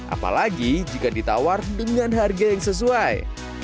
apalagi jika ditawar dengan harga yang sesuai